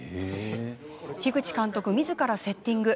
樋口監督みずからセッティング。